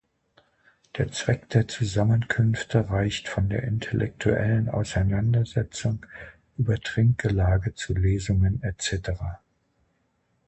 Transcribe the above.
Der Zweck der Zusammenkünfte reicht von der intellektuellen Auseinandersetzung über Trinkgelage zu Lesungen etc.